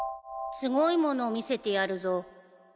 すごいものを見せてやるぞ